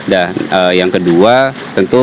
dan yang kedua tentu